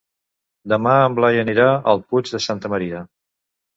Demà en Blai anirà al Puig de Santa Maria.